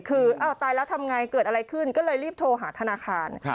คืออ้าวตายแล้วทำไงเกิดอะไรขึ้นก็เลยรีบโทรหาธนาคาร